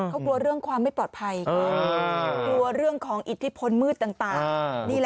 เขากลัวเรื่องความไม่ปลอดภัยกลัวเรื่องของอิทธิพลมืดต่าง